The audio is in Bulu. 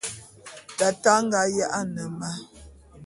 Tate a nga ya'ane ma.